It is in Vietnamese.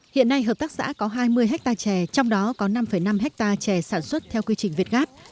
hiện nay hợp tác xã có hai mươi hectare chè trong đó có năm năm hectare chè sản xuất theo quy trình việt gáp